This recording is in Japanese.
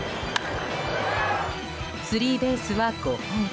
スリーベースは５本。